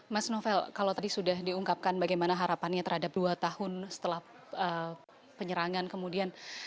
mas novel kalau tadi sudah diungkapkan bagaimana harapannya terhadap dua tahun setelah penyerangan kemudian